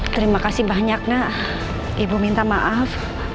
terima kasih banyak nak ibu minta maaf